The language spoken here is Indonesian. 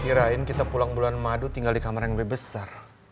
kirain kita pulang bulan madu tinggal di kamar yang lebih besar